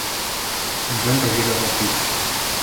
Ens han regirat el pis.